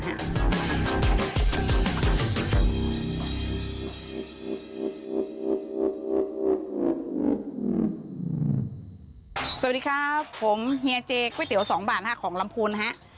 สวัสดีครับผมเฮียเจก๋วยเตี๋ยว๒บาทของลำพูนฮะ